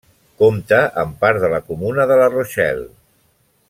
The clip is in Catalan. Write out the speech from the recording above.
Compta amb part de la comuna de La Rochelle.